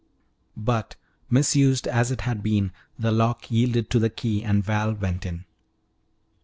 But misused as it had been, the lock yielded to the key and Val went in.